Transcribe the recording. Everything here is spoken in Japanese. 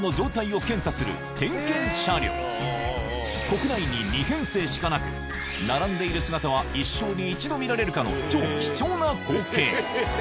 国内に２編成しかなく並んでいる姿は一生に１度見られるかの超貴重な光景